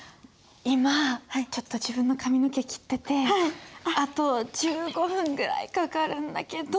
今ちょっと自分の髪の毛切っててあと１５分ぐらいかかるんだけど。